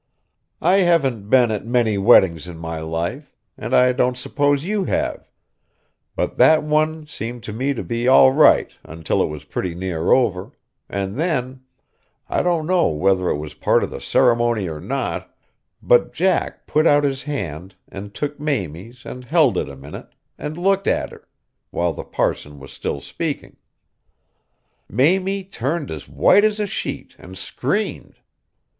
I haven't been at many weddings in my life, and I don't suppose you have, but that one seemed to me to be all right until it was pretty near over; and then, I don't know whether it was part of the ceremony or not, but Jack put out his hand and took Mamie's and held it a minute, and looked at her, while the parson was still speaking. Mamie turned as white as a sheet and screamed.